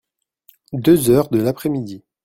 Deux heures de l’après-midi.